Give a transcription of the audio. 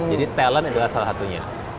jadi talent adalah salah satunya